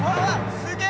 すげえ！